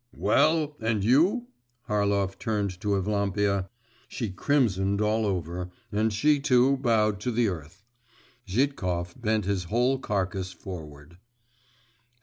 'Well, and you?' Harlov turned to Evlampia. She crimsoned all over, and she too bowed to the earth; Zhitkov bent his whole carcase forward.